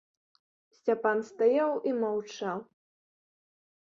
Сцяпан стаяў і маўчаў.